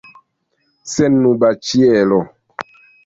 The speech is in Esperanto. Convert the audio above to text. Sennuba ĉielo.